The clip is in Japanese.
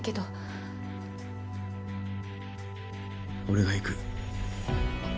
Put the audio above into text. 俺が行く。